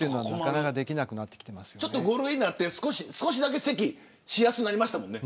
５類になって少しだけせきはしやすくなりましたもんね。